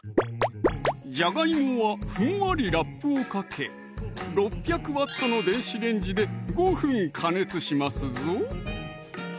じゃがいもはふんわりラップをかけ６００Ｗの電子レンジで５分加熱しますぞ